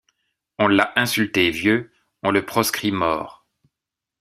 On l’a insulté vieux, on le proscrit mort.